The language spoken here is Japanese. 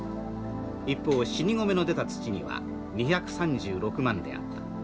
一方死に米の出た土には２３６万であった。